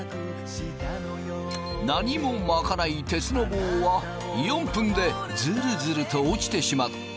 何も巻かない鉄の棒は４分でずるずると落ちてしまった。